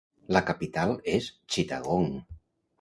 La capital és Chittagong.